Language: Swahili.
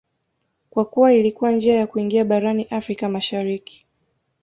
kwa kuwa ilikuwa njia ya kuingia barani Afrika Mashariki